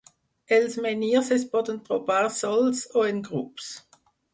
Els menhirs es poden trobar sols o en grups.